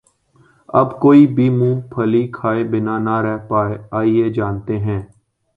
اب کوئی بھی مونگ پھلی کھائے بنا نہ رہ پائے آئیے جانتے ہیں